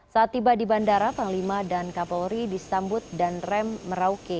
saat tiba di bandara panglima dan kapolri disambut danrem merauke